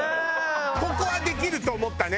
ここはできると思ったね。